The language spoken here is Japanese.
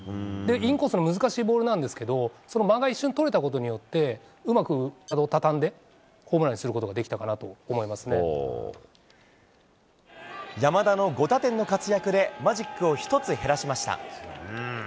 インコースの難しいボールなんですけど間が一瞬取れたことによってうまく体をたたんでホームランにすることが山田の５打点の活躍でマジックを１つ減らしました。